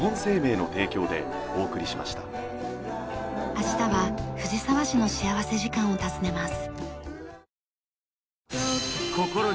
明日は藤沢市の幸福時間を訪ねます。